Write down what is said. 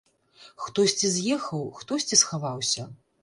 Хтосьці з'ехаў, хтосьці схаваўся.